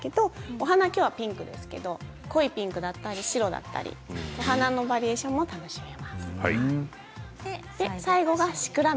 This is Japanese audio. お花は違いますけど濃いピンクだったり白だったり花のバリエーションが楽しめます。